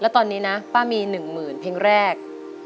ตอนนี้ป้ามี๑๐๐๐๐บาทเพลงแรก